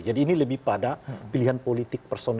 jadi ini lebih pada pilihan politik